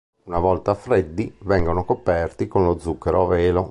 Una volta freddi, vengono coperti con lo zucchero a velo.